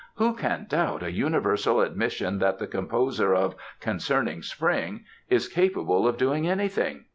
"Who can doubt a universal admission that the composer of 'Concerning Spring' is capable of doing anything?"